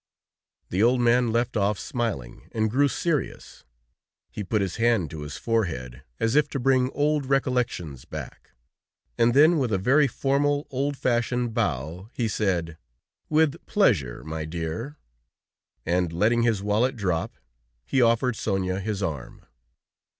The old man left off smiling and grew serious; he put his hand to his forehead, as if to bring old recollections back, and then with a very formal, old fashioned bow, he said: "With pleasure, my dear." And letting his wallet drop, he offered Sonia his arm.